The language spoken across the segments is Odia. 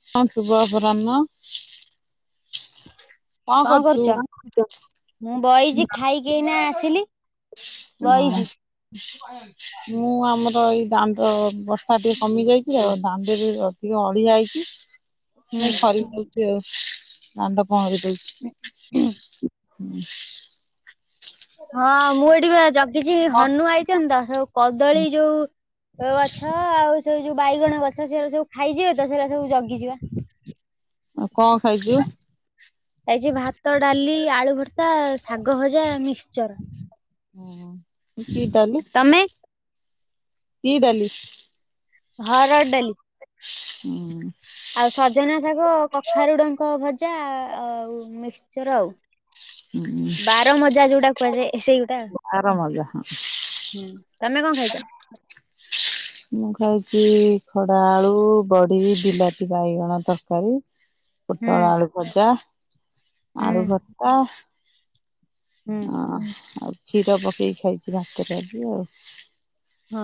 [unintelligible] କଣ କଣ୍ କରୁଛୁ? କରୁଚ? ମୁଁ ବଇଚି ଖାଇକି ଏଇନା ଆସିଲି। ହଁ ବଇଚି। ମୁଁ ଆମର ଏଇ ଦାଣ୍ଡ ବସ୍‌ ହଁ ଟିକେ କମି ଯାଇଚି ଆଉ ଦାଣ୍ଡେରେ ଅଧିକ ଅଳିଆ ହେଇଚି ହୁଁ ଏଁ ଖରିକି ଦଉଚି ଆଉ। ଦାଣ୍ଡ ପହଁରି ଦଉଚି- ହୁଁ। ହଁ ମୁଁ ଏଇଠି ବା ଜଗିଚି ହନୁ ଆଇଚନ୍ତି ତ ସବୁ କଦଳୀ ଯଉ [unintelligible] ହଁ ଆଉ ସେଇ ଯଉ ବାଇଗଣ ଗଛ ସେରା ସବୁ ଖାଇଯିବେ ତ ସେରା ସବୁ ଜଗିଚି ବା। ଆଉ କଁ ଖାଇଚୁ? ଆଜି ଭାତ, ଡାଲି, ଆଳୁ ଭର୍ତ୍ତା, ଶାଗ ଭଜା, ମିକ୍ସଚର। ଉଁ- ହୁଁ କି ଡାଲି ତମେ? -କି ଡାଲି? ହରଡ୍ ଡାଲି। ଆଉ ସଜନା ଶାଗ କଖାରୁଡଙ୍କ ଭଜା ଆଉ ମିସ୍‌ଚର ଆଉ। ବାର ମଜା ଯୋଉଟାକୁ କୁହାଯାଏ ଏ ସେଇଗୋଟା। ତାର ମଜା ହଁ ହୁଁ ତମେ କଁ ଖାଇଚ? ମୁଁ ଖାଇଚି ଖଡା ଆଳୁ ବଡି ବିଲାତି ବାଇଗଣ ତରକାରୀ। [inaudible] ପୋଟଳ ଆଳୁ ଭଜା ହୁଁ ଆଳୁ ଭର୍ତ୍ତା। ହୁଁ। ଅଁ ଆଉ କ୍ଷୀର ପକେଇକି ଖାଇଛି ଭାତରେ ଆଜି ଆଉ। ହଁ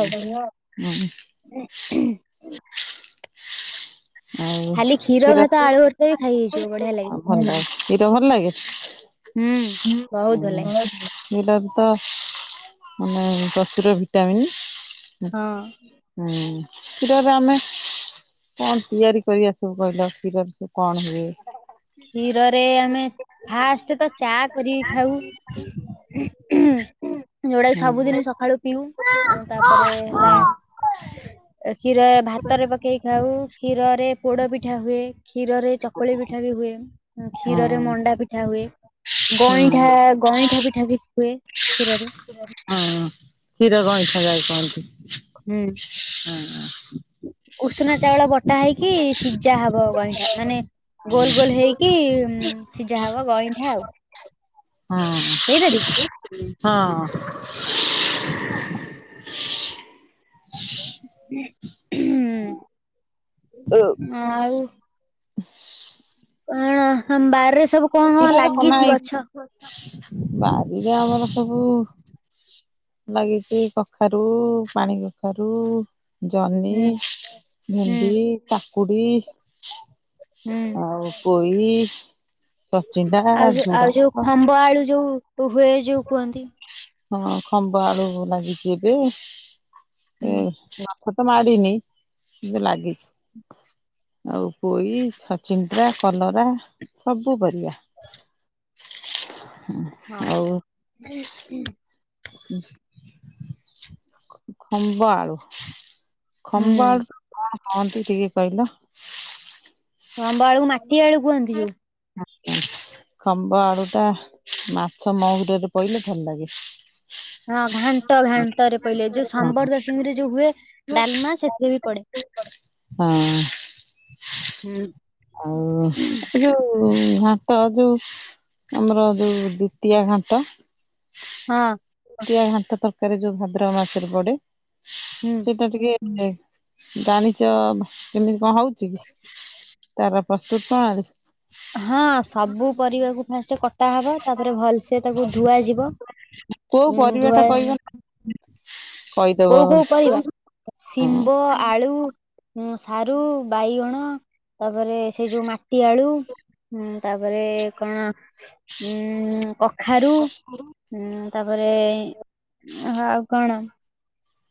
ଆଉ। ଆଉ ଉଁ। ଆଉ ଖାଲି କ୍ଷୀର ଭାତ ଆଳୁ ଭର୍ତ୍ତା ବି ଖାଇ [unintelligible] ହେଇଯିବ ବଢିଆ ଲାଗେ। ଭଲଲାଗେ କ୍ଷୀର ହୁଁ। ଭଲ ବହୁତ ଭଲ ଲାଗେ? ଏଇଟାର୍ ତ ମାନେ ପ୍ରଚୁର ଭିଟାମିନ୍। ହଁ। ହଁ କ୍ଷୀରରେ ଆମେ କଣ ତିଆରି କରିବା ସବୁ କହିଲ କ୍ଷୀରରେ ସବୁ କଣ ହୁଏ? କ୍ଷୀରରେ ଆମେ ଫାଷ୍ଟ ତ ଚା କରିକି ଖାଉ। ଯୋଉଟା କି ହୁଁ। ସବୁଦିନି ସକାଳୁ ପିଉ ଅଁ ତାପରେ ହେଲା ଅ କ୍ଷୀର ଭାତରେ ପକେଇ ଖାଉ କ୍ଷୀରରେ ପୋଡ ପିଠା ହୁଏ। କ୍ଷୀରରେ ଚକୁଳି ପିଠା ବି ହୁଏ ଉଁ ହଁ କ୍ଷୀରରେ ମଣ୍ଡା ପିଠା ହୁଏ। ଗଇଁଠା ଗଇଁଠା ପିଠା ବି ହୁଏ କ୍ଷୀରରେ। ହଁ କ୍ଷୀର ଗଇଁଠା ଯାହାକୁ କହନ୍ତି। ହୁଁ ହଁ ଉଷୁନା ଚାଉଳ ବଟ୍ ଟା ହେଇକି ସିଜା ହବ ଗଇଁଠା ମାନେ ଗୋଲ ଗୋଲ ହେଇକି ଉଁ ସିଜା ହବ ଗଇଁଠା ଆଉ। ହଁ। [unintelligible] ହଁ। ହୁ ଉ ହୁଁ। ଓ। ଆଉ। [inaudible] କଣ ହାମ ବାରିରେ ସବୁ କଁ କଁ କ୍ଷୀରରେ କଣ ଲାଗିଚି ନା ଗଛ? ବାରିରେ ଆମର ସବୁ ଲାଗିଛି କଖାରୁ ପାଣି କଖାରୁ। ଜହ୍ନି ହୁଁ ଭେଣ୍ଡି ହୁଁ କାକୁଡି। ହୁଁ ଆଉ ପୋଇ ଛଚିଣ୍ଡା ଆଉ ଯୋଉ ଆଉ ଯୋଉ ଝୁଡଙ୍ଗ ଖମ୍ବ ଆଳୁ ଯୋଉ ହୁଏ ଯୋଉ କୁହନ୍ତି। ହଁ ଖମ୍ବ ଆଳୁ ଲାଗିଚି ଏବେ। ହୁଁ ଗଛ ମାଡିିନି କିନ୍ତୁ ଲାଗିଛି। ଆଉ ପୋଇ ସଚିନ୍ଦ୍ରା କଲରା ସବୁ ପରିଆ। [inaudible] [inaudible] ହଁ। ଖମ୍ବ ଆଳୁ। ହୁଁ ଖମ୍ବ ଆଳୁ କୁ କଣ କୁହନ୍ତି ଟିକେ କହିଲ? ଖମ୍ବ ଆଳୁକୁ ମାଟିଆଳୁ କୁହନ୍ତି ଯୋଉ। ଖମ୍ବ ଆଳୁ ଟା ମାଛ ମହୁରରେ ପଇଲେ ଭଲ ଲାଗେ। ହଁ ଘାଣ୍ଟ ଘାଣ୍ଟରେ ପଇଲେ ଯୋଉ ହଁ ସମ୍ବର ଦଶମୀରେ ଯୋଉ ହୁଏ ଡାଲମା ସେଥିରେ ବି ପଡେ। ଫାଙ୍କା ଅଡ଼ିଓ। ହଁ। ହୁଁ। ଆଉ ଏ ଯୋଉ ଘାଣ୍ଟ ଯୋଉ ଆମର ଯୋଉ ଦ୍ଵିତୀୟା ଘାଣ୍ଟ। ହଁ। ନଡିଆ ଘାଣ୍ଟ ତରକାରୀ ଯୋଉ ଭାଦ୍ରବ ମାସରେ ପଡେ। ହୁଁ। ସେଟା ଟିକେ ଜାଣିଚ କେମିତି କଣ ହଉଚି? ତାର ପ୍ରସ୍ତୁତ ପ୍ରଣାଳୀ। ହଁ ସବୁ ପରିବାକୁ ଫାଷ୍ଟ କଟା ହବ ତାପରେ ଭଲସେ ତାକୁ ଧୁଆ ଯିବ। କୋଉ ଉଁ ପରିବା ଟା କହିଲେ? କୋଉ କୋଉ ପରିବା ହଁ ଶିମ୍ବ ଆଳୁ ଉଁ ସାରୁ ବାଇଗଣ ତାପରେ ସେ ଯୋଉ ମାଟି ଆଳୁ ତାପରେ କଣ ଉଁ କଖାରୁ। ଉଁ ତାପରେ ଆଉ କଣ?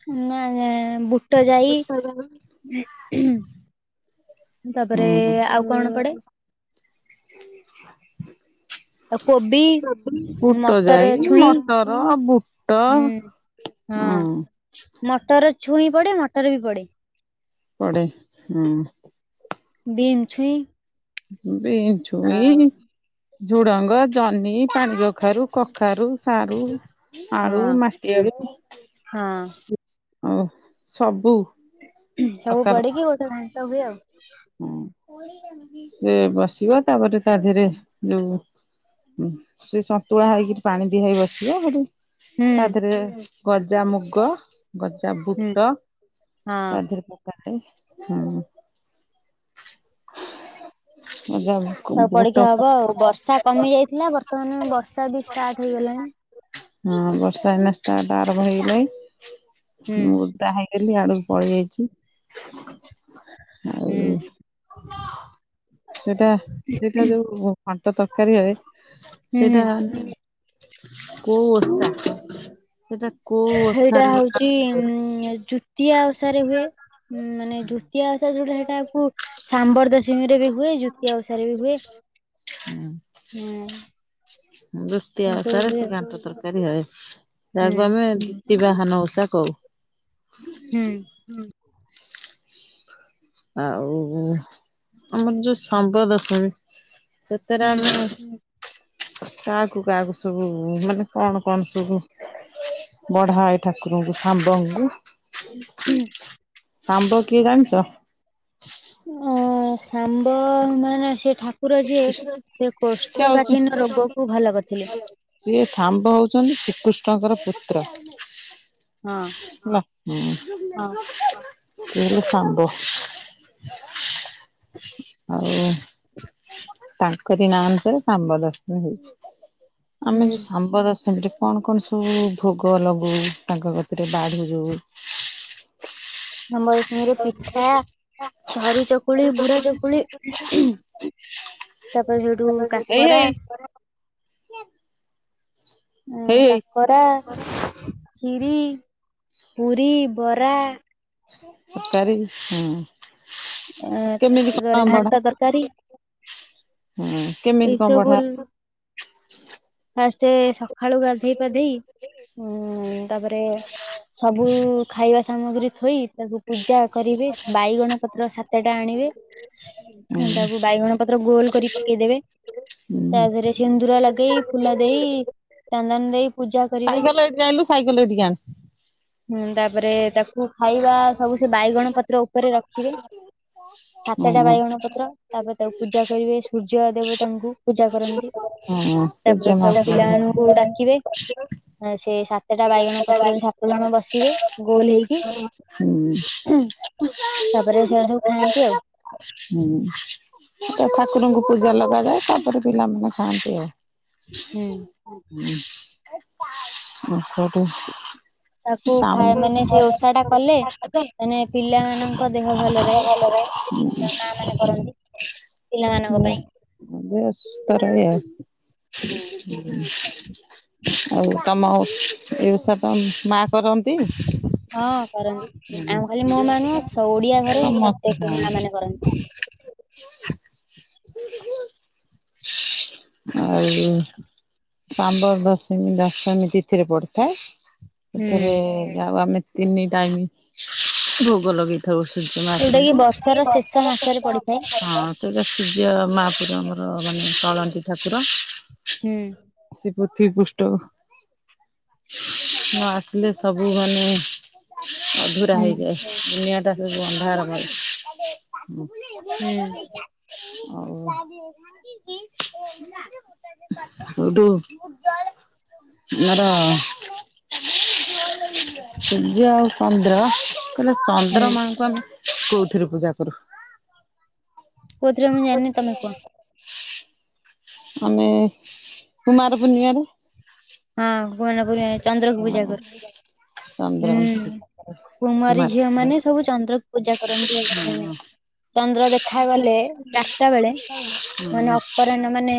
[unintelligible] ବୁଟ ଯାଇ। ତାପରେ ଓହୋ। ଆଉ କଣ ପଡେ ଆଉ କୋବି, ବୁଟ ମଟର ଯାଇ ଛୁଇଁ ମଟର ବୁଟ। ହୁଁ ହଁ ହୁଁ ମଟର ଛୁଇଁ ପଡେ ମଟର ବି ପଡେ। ପଡେ ହଁ। ବିମ୍ ଛୁଇଁ। ଆଉ ବିମଛୁଇଁ ଝୁଡଙ୍ଗ ଜହ୍ନି ପାଣି କ କଖାରୁ କଖାରୁ ସାରୁ ଆଳୁ ହଁ ମାଟିଆଳୁ। ହଁ ହଉ ସବୁ। ସବୁ ପ୍ରକାର ପଡିକି ଗୋଟେ ଘାଣ୍ଟ ହୁଏ ଆଉ। ହୁଁ ସେ ବସିବ ତାପରେ ତା ଦେହରେ ଯୋଉ ସେ ସନ୍ତୁଳା ହେଇକି ପାଣି ଦିଆ ହେଇ ବସିବ। ହେଠୁ ହୁଁ ତା ଦେହରେ ଗଜା ମୁଗ ଗଜା ବୁଟ ହୁଁ ହଁ। ତା ଦେହରେ ପକା ଆଏ ହୁଁ। ଗଜା [unintelligible] ସବୁ ପଡିକି ହବ ଆଉ। ବର୍ଷା କମି ଯାଇଥିଲା ବର୍ତ୍ତମାନ ବର୍ଷା ବି ଷ୍ଟାର୍ଟ ହେଇଗଲାଣି। ହଁ ବର୍ଷା ଏଇନା ଷ୍ଟାର୍ଟ ଆରମ୍ଭ ହେଇଗଲାଣି ହୁଁ ମୁଁ ଓଦା ହେଇ ହେଲି ୟାଡକୁ ପଳେଇ ଆଇଛି। ହୁଁ। ସେଟା ସେଇଟା ଯୋଉ ଘାଣ୍ଟ ତରକାରୀ ହୁଏ ହୁଁ ହୁଁ ସେଇଟା କୋଉ ବର୍ଷା ସେଟା ହେଇଟା ହଉଚି ଉଁ ଚୁତିଆ ଓଷାରେ ହୁଏ। ହୁଁ ମାନେ ଦ୍ଵିତୀୟା ଓଷା ଯୋଉଟା ହେଟାକୁ ସାମ୍ବର ଦଶମୀରେ ବି ହୁଏ ଜୁତୀୟ ଓଷାରେ ବି ହୁଏ। ହୁଁ ହୁଁ ଦୁତିୟା ସବୁ ଓଷାରେ ହୁଏ ସେ ଆଉ ଘଣ୍ଟା ତରକା ତରକାରୀ ହଏ। ହୁଁ ତାକୁ ଆମେ ଦ୍ବୀତି ବାହନ ଓଷା କହୁ। ହୁଁ। ଆ ଆଉ ଆମର ଯୋଉ ସମ୍ପ୍ରଦାୟୀ ସତରେ ହୁଁ ଆମେ କାହାକୁ କାହାକୁ ସବୁ ମାନେ କଣ କଣ ସବୁ- ବଢାଏ ଠାକୁରଙ୍କୁ ସାମ୍ବଙ୍କୁ ହୁଁ। ଆମ୍ଭ କିଏ ଜାଣିଛ? ଅ ଶାମବ ମାନେ ସେ ଠାକୁ ଠାକୁର ଯିଏ ସେ ସିଏ କୋଷ୍ଠକାଠିନ ରୋଗକୁ ଭଲ କରିଥିଲେ। ସେିଏ ଶମ୍ବ ହଉଛନ୍ତି ଶ୍ରୀକୃଷ୍ଣଙ୍କର ପୁତ୍ର। ହଁ ହଲା ହଁ ହଁ [unintelligible] ଲେ ସମ୍ଭବ ହଉ [unintelligible] ତାଙ୍କ ନା ଅନୁସାରେ ଶମ୍ବ ଦଶମୀ ହେଇଛି ଆମେ ହୁଁ ଯୋଉ ଶମ୍ବ ଦଶମୀରେ କଣ କଣ ସବୁ ଭୋଗ ଲଗୁ ତାଙ୍କ ଗତିରେ ବାଢୁ ଯଉ। ନମସ୍ [unintelligible] ଦ କ ଚକୁଳି ବୁଢା ଚକୁଳି ତାପରେ ସେଇଠୁ [unintelligible] କାକରା ଏଇାଇ [unintelligible] ଉ କାକରା, ଖିରି, ପୁରୀ, ବରା ସରକାରୀ ହୁଁ କେମିତି ଏଁ ଘାଣ୍ଟ କଣ ତରକାରୀ [unintelligible] ହୁଁ କେମିତି କଣ ଏଇସବୁ ବଢ଼ା ଫାଷ୍ଟ ସକାଳୁ ଗାଧେଇ ପାଧେଇ ଉ ତାପରେ ସବୁ ଖାଇବା ସାମଗ୍ରୀ ଥୋଇ ତାକୁ ପୂଜା କରିବେ ବାଇଗଣ ପତ୍ର ସାତଟା ଆଣିବେ। ହୁଁ ତାକୁ ବାଇଗଣ ପତ୍ର କୁ ଗୋଲ କରି ପକେଇଦେବେ ତା ହୁଁ ଦେହରେ ସିନ୍ଦୁରା ଲଗେଇ ଫୁଲ ଦେଇ ଚନ୍ଦନ ଦେଇ ପୂଜା ସାଇକେଲ ଏଠିଣିଲୁ ସାଇକେଲ ଏଠିକି ଆଣେ ହଁ ତାପରେ ତାକୁ ଖାଇବା ସବୁ ସେ ବାଇଗଣ ପତ୍ର ଉପରେ ରଖିବେ- ହୁଁ ସାତଟା ବାଇଗଣ ପତ୍ର ତାପରେ ତାକୁ ପୂଜା କରିବେ ସୂର୍ଯ୍ୟ ଦେବ ତାଙ୍କୁ ପୂଜା କରନ୍ତି ହଁ। ତାପରେ ସଉ ପିଲାମାନଙ୍କୁ ଡାକିବେ ସେ ସେତଟା ବାଇଗଣ ପତ୍ରରେ ସାତ ଜଣ ବସିବେ ଗୋଲ ହେଇକି ହୁଁ ତାପରେ ସେ ଗୁଡା ସବୁ ଖାଆନ୍ତି ଆଉ। ହୁଁ [unintelligible] ସେ ଠାକୁରଙ୍କୁ ପୂଜା ଲଗାଯାଏ ତାପରେ ପିଲାମାନେ ଖାଆନ୍ତି ହୁଁ ଆଉ। ହଁ [unintelligible] ଆଛଠ [unintelligible] ତାକୁ ଖାଇ ମାନେ ସେ ଓଷା ଟା କଲେ ମାନେ ପିଲାମାନାନଙ୍କ ଦେହ ଭଲ ରହେ। ହୁଁ ମା ମାନେ କରନ୍ତି [inaudible] ପିଲାମାନଙ୍କ ପାଇଁ। [unintelligible] ଆଉ କାମ ହଉ ଏସା ତ ମା କରନ୍ତି? ହଁ କରନ୍ତି ଆମ ଖାଲି ମୋ ମା ନୁହଁ ଓଡିଆ ଘରେ ପ୍ରତ୍ୟେକ ମା ମାନେ କରନ୍ତି। ଆଉଯୋଉ ଶମ୍ବର ଦଶମୀ ଦଶମୀ ତିଥିରେ ପଡିିଥାଏ ହୁଁ। ସେଥିରେ ଯାଉ ଆମେ ତିନି ଟାଇମ ଭୋଗ ଲଗେଇ [inaudible] ହଁ। ସେଇଟା ଯୋଉଟା କି ବର୍ଷର ଶେଷ ମାସରେ ପଡିଥାଏ ସୂର୍ଯ୍ୟ ମହାପୁର ଆମର ମାନେ ଚଳନ୍ତି ଠାକୁର। ହୁଁ। ସେ ପୃଥିବୀ ପୃଷ୍ଠ ନ ଆସିଲେ ସବୁ ମାନେ ଅଧୁରା ହୁଁ ହେଇଯାଏ ଦୁନିଆ ଟା ସବୁ ଅନ୍ଧାର କ ହୁଁ। [inaudible] ଡୁ ମର ସୂର୍ଯ୍ୟ ଆଉ ଚନ୍ଦ୍ର ତାହେଲେ ଚନ୍ଦ୍ର ମାଙ୍କୁ ଆମେ କଉଥିରୁ ହୁଁ ପୂଜା କରୁ? କଉଥିରେ ମୁଁ ଜାଣିନି ତମେ କୁହ? ଆମେ କୁମାର ପୂର୍ଣ୍ଣିଆ ରେ ହଁ କୁମାର ପୂର୍ଣ୍ଣିମା ରେ ଚନ୍ଦ୍ରକୁ ହଁ ପୂଜା କରୁ। ଚନ୍ଦ୍ର ହୁଁ କୁମାରୀ କୁମାର ଝିଅ ମାନେ ସବୁ ଚନ୍ଦ୍ରକୁ ପୂଜା କରନ୍ତି। ମାନେ ହଁ ଚନ୍ଦ୍ର ଦେଖାଗଲେ ଚାରିଟା ବେଳେ ମାନେ ହୁଁ ଅପରାହ୍ନ ମାନେ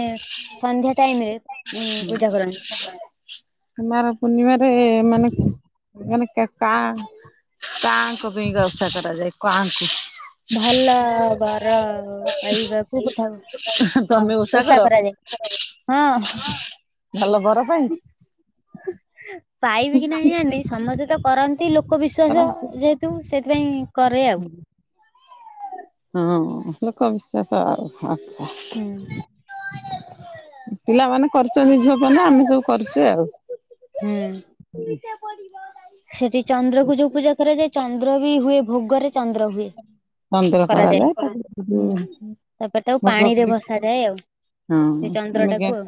ସନ୍ଧ୍ୟା ଟାଇମରେ ଉ ପୂଜା କରନ୍ତି। କୁମାର ପୂର୍ଣ୍ଣିମାରେ ମାନେ ମାନେ କା କା କାଙ୍କ ପାଇଁ କା ଓଷା କରାଯାଏ କାଆଙ୍କୁ? ଭଲ ବର ପାଇବାକୁ ହଁ ତମେ ଓଷା କର? କରାଯାଏ। ହଁ ଭଲ ବର ପାଇଁ। ପାଇବି କି ନାହିଁ ଜାନି ସମସ୍ତେ ତ କରନ୍ତି ଲୋକ ବିଶ୍ୱାସ ଯେ ତୁ ସେଥିପାଇଁ କରେ ଆଉ। ହଁ ଲୋକ ବିଶ୍ୱାସ ଆଉ ଆଚ୍ଛା। ହୁଁ। ପିଲାମାନେ କରୁଛନ୍ତି ଝିଅ ପାଇଁ ନା ଆମେ ସବୁ କରିଛୁ ଆଉ। ହୁଁ। [inaudible] ସେଠି ଚନ୍ଦ୍ର କୁ ଯୋଉ ପୂଜା କରାଯାଏ, ଚନ୍ଦ୍ର ବି ହୁଏ ଭୋଗରେ ଚନ୍ଦ୍ର ହୁଏ। ଚନ୍ଦ୍ର କରାଯାଏ ହୁଁ। ତାପରେ ତାକୁ ପାଣିରେ ତାପରେ ଭସାଯାଏ ଆଉ ହଁ ସେ [unintelligible] ଚନ୍ଦ୍ର ଟାକୁ ଆଉ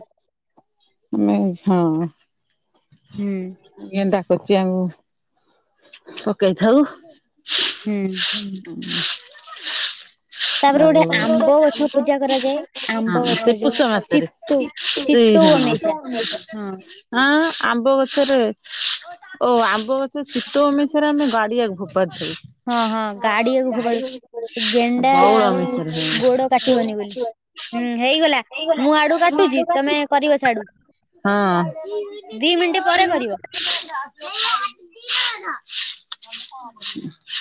ଆମେ ହଁ ହୁଁ ଗେଣ୍ଡା କୋଚିଆଉ। ପକେଇଥାଉ। ହୁଁ। [inaudible] ତାପରେ ହଉ ଗୋଟେ ଆମ୍ବ ଗଛ ପୂଜା କରାଯାଏ ହଁ ଆମ୍ବ ଗଛ ସେ ଯୋଉ ପୁଷ ମାସରେ। ଚିତୁ ସେଇ ଚିତଉ ଜଣ ଅମେଇସା ହଁ ଆଁ ଆମ୍ବ ଗଛରେ ଓ ଆମ୍ବ ଗଛ ଚିତଉ ଅମାସିଆରେ ଆମେ ଗାଡିଆକୁ ଫୋପାଡୁ ଥିଲୁ। ହଁ ହଁ ଗାଡି [unintelligible] ଗେଣ୍ଡା ଆଉ ବଉଳମାଷରେ ଗୋଡ କାଟିବନି ବୋଲି। ହୁଁ ହେଇଗଲା ମୁଁ ଆଡୁ କାଟୁଛି ତମେ [unintelligible] କରିବ ଛାଡୁ। ପରେ କରିବ। ହଁ। [inaudible]